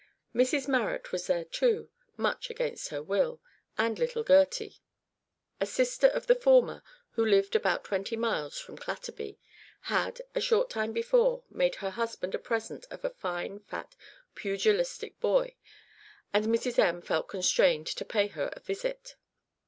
Mrs Marrot was there too much against her will and little Gertie. A sister of the former, who lived about twenty miles from Clatterby, had, a short time before, made her husband a present of a fine fat pugilistic boy, and Mrs M felt constrained to pay her a visit.